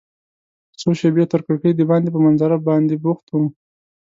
څو شیبې تر کړکۍ دباندې په منظره باندې بوخت وم.